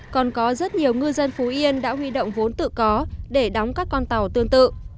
còn có rất nhiều ngư dân phú yên đã huy động vốn tự có để đóng các con tàu tương tự